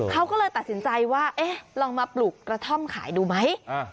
เขาก็เลยตัดสินใจว่าเอ๊ะลองมาปลูกกระท่อมขายดูไหม